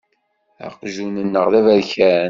Aqjun-nneɣ d aberkan.